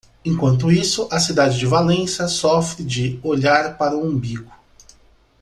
Enquanto isso, a cidade de Valência sofre de "olhar para o umbigo".